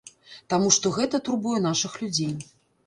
Таму што гэта турбуе нашых людзей.